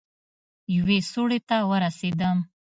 يوې سوړې ته ورسېدم.